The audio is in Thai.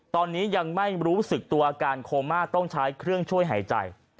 ตอนนี้ยังไม่รู้สึกตัวอาการโคม่าต้องใช้เครื่องช่วยหายใจ